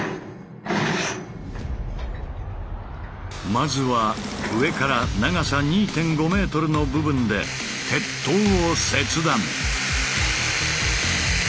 まずは上から長さ２．５ｍの部分で鉄塔を切断。